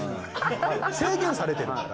制限されてるから。